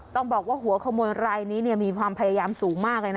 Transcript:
ต้องบอกว่าหัวขโมยรายนี้มีความพยายามสูงมากเลยนะ